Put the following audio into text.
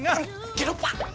ゲロッパ！